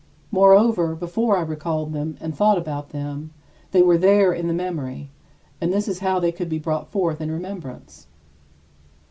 Moreover, before I recalled them and thought about them, they were there in the memory; and this is how they could be brought forth in remembrance.